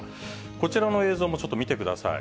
こちらの映像もちょっと見てください。